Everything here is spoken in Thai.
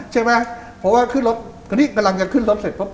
ใช่ไหมเพราะว่าขึ้นรถตอนนี้กำลังจะขึ้นรถเสร็จปุ๊บ